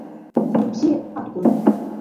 Хәылбзиа, Адгәыр!